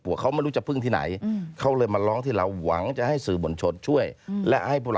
วันที่๑๒ใช่ไหมคะ